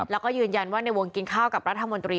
แล้วก็ยืนยันว่าในวงกินข้าวกับรัฐมนตรี